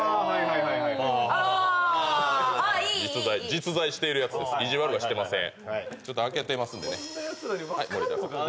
実在しているやつです、意地悪はしてません。